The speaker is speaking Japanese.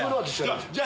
じゃあ。